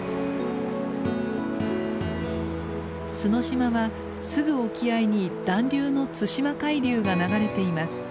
角島はすぐ沖合に暖流の対馬海流が流れています。